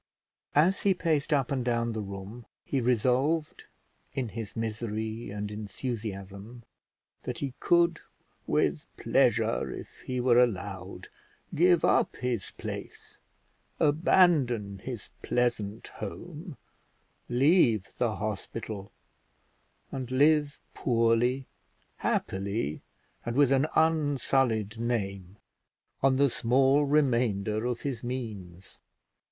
As he paced up and down the room he resolved in his misery and enthusiasm that he could with pleasure, if he were allowed, give up his place, abandon his pleasant home, leave the hospital, and live poorly, happily, and with an unsullied name, on the small remainder of his means.